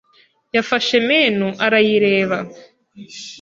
yafashe menu arayireba.